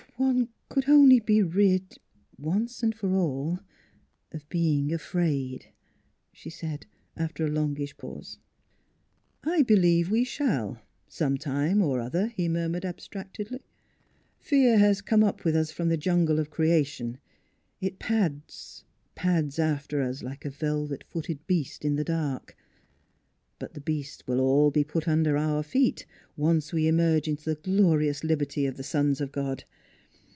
152 NEIGHBORS "If one could only be rid once and for all of being afraid," she said, after a longish pause. " I believe we shall, some time or other," he murmured abstractedly. " Fear has come up with us from the jungle of creation; it pads pads after us, like a velvet footed beast in the dark. But the beasts will all be put under our feet once we emerge into the glorious liberty of the sons of God."